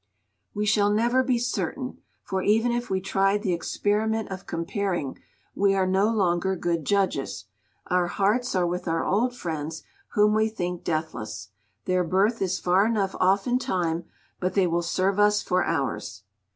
We shall never be certain, for even if we tried the experiment of comparing, we are no longer good judges, our hearts are with our old friends, whom we think deathless; their birth is far enough off in time, but they will serve us for ours.